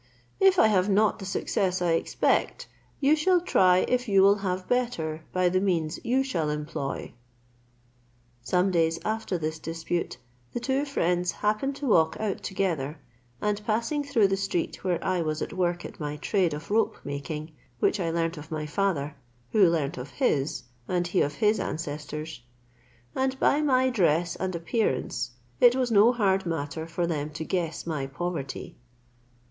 If I have not the success I expect, you shall try if you will have better by the means you shall employ." Some days after this dispute, the two friends happened to walk out together, and passing through the street where I was at work at my trade of rope making, which I learnt of my father, who learnt of his, and he of his ancestors; and by my dress and appearance, it was no hard matter for them to guess my poverty.